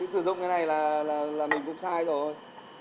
sử dụng cái này là mình cũng sai rồi